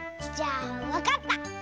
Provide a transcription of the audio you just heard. じゃあわかった！